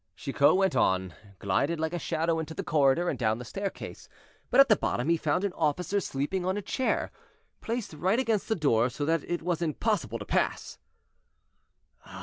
Chicot went on; glided like a shadow into the corridor, and down the staircase, but at the bottom he found an officer sleeping on a chair, placed right against the door, so that it was impossible to pass.